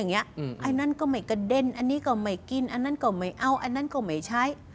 อันนั้นก็ไม่กระเด็นอันนี้ก็ไม่กินอันนั้นก็ไม่เอาอันนั้นก็ไม่ใช้